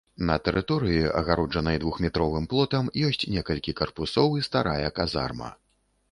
На тэрыторыі, агароджанай двухметровым плотам, ёсць некалькі карпусоў і старая казарма.